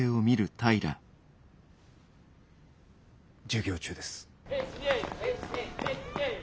授業中です。